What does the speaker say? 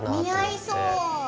似合いそう。